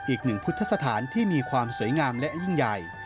อีกหนึ่งพุทธสถานที่มีความสวยงามและยิ่งใหญ่